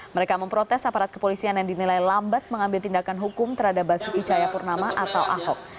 mereka memprotes aparat kepolisian yang dinilai lambat mengambil tindakan hukum terhadap basuki cahayapurnama atau ahok